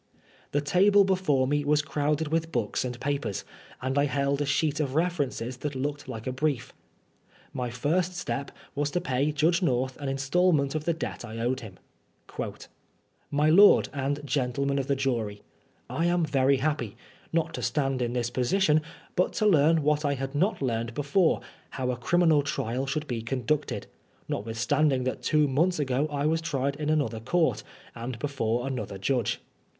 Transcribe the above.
The table before me was crowded with books and papers, and I held a sheet of references that looked like a brief. My first step was to pay Judge North an instalment of the debt I owed him. " My lord, and gentlemen of the jiiiy, — I am very happy, not to stand in this position, but to learn what I had not learned before — ^how a criminal trial should be conducted, notwithstand ing that two months ago I was tried in another court, and before another judge.